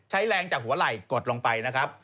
ใช้แรงจากหัวไหล่กดลงไปนะครับ